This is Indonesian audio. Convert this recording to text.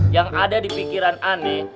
yang ada di pikiran aneh